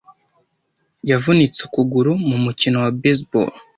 Yavunitse ukuguru mu mukino wa baseball.